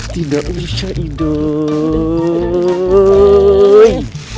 tidak usah idoy